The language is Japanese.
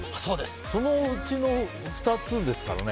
そのうちの２つですからね。